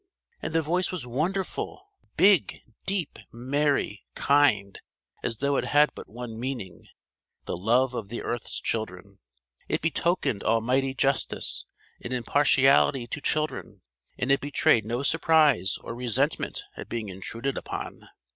And the voice was wonderful, big, deep, merry, kind as though it had but one meaning, the love of the earth's children; it betokened almighty justice and impartiality to children. And it betrayed no surprise or resentment at being intruded upon.